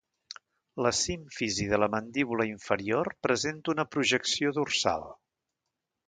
La símfisi de la mandíbula inferior presenta una projecció dorsal.